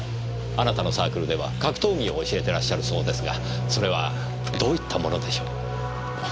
あなたのサークルでは格闘技を教えてらっしゃるそうですがそれはどういったものでしょう？